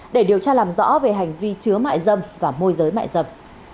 để điều tra làm rõ về hành vi chứa mại dâm và môi giới mại dâm